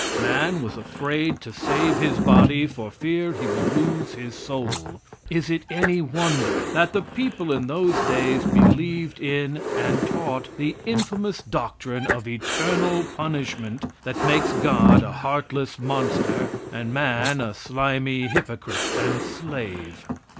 Man was afraid to save his body for fear he would lose his soul. Is it any wonder that the people in those days believed in and taught the infamous doctrine of eternal punishment, that makes God a heartless monster and man a slimy hypocrite and slave?